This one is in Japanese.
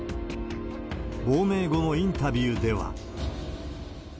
亡命後のインタビューでは。